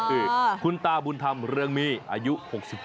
คือคุณตาบุญธรรมเรืองมีอายุ๖๖